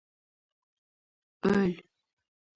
— Uloq ketdi! Uloq Burnoch bilan Samanda borayapti!